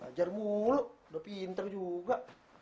lajar mulu udah pinter juga